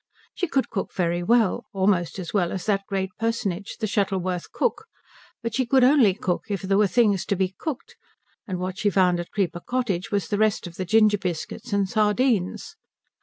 She could cook very well, almost as well as that great personage the Shuttleworth cook, but she could only cook if there were things to be cooked; and what she found at Creeper Cottage was the rest of the ginger biscuits and sardines.